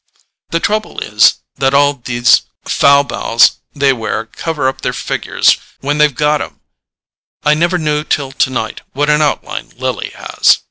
The trouble is that all these fal bals they wear cover up their figures when they've got 'em. I never knew till tonight what an outline Lily has."